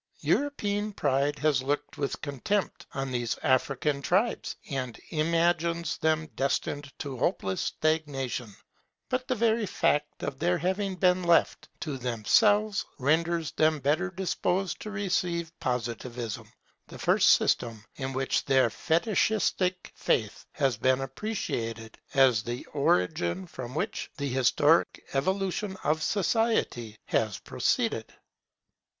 European pride has looked with contempt on these African tribes, and imagines them destined to hopeless stagnation. But the very fact of their having been left to themselves renders them better disposed to receive Positivism, the first system in which their Fetichistic faith has been appreciated, as the origin from which the historic evolution of society has proceeded.